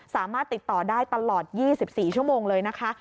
สามารถติดต่อได้ตลอด๒๔ชั่วโมงเลยนะคะ